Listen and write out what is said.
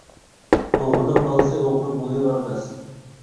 ئوغرىنىڭ بالىسى ئوغرى بولۇۋەرمەس.